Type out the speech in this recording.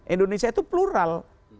indonesia itu plural